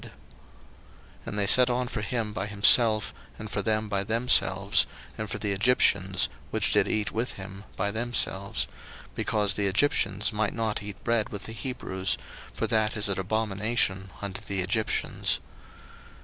01:043:032 And they set on for him by himself, and for them by themselves, and for the Egyptians, which did eat with him, by themselves: because the Egyptians might not eat bread with the Hebrews; for that is an abomination unto the Egyptians.